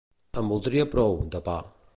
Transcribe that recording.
En voldria prou, de pa.